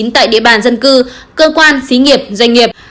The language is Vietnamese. tại địa bàn dân cư cơ quan xí nghiệp doanh nghiệp